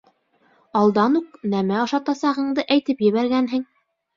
Алдан уҡ нәмә ашатасағыңды әйтеп ебәргәнһең.